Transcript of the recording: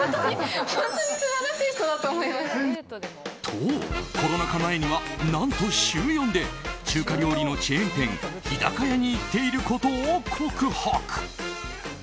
と、コロナ禍前には何と週４で中華料理のチェーン店日高屋に行っていることを告白。